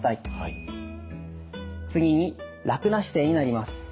次に楽な姿勢になります。